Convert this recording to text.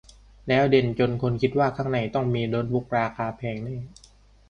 แล้วเด่นจนคนคิดว่าข้างในต้องมีโน๊ตบุ๊กราคาแพงแน่